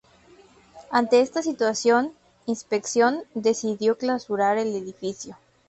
Ante esta situación, Inspección decidió clausurar el edificio.